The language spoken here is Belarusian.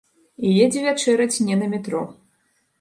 І едзе вячэраць не на метро.